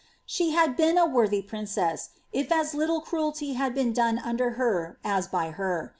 —>^ She had been a worthy princess, if as little cruelty had been done under her as by her.